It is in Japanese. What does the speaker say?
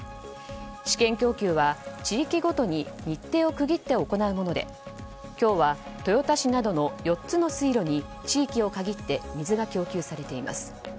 試験供給は地域ごとに日程を区切って行うもので今日は豊田市などの４つの水路に地域を限って水が供給されています。